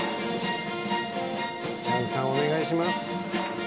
チャンさん、お願いします。